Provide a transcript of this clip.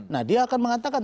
nah dia akan mengatakan